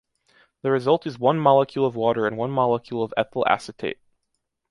The result is one molecule of water and one molecule of ethyl acetate.